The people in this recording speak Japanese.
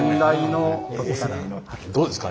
どうですか？